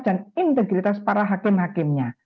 dan integritas para hakim hakimnya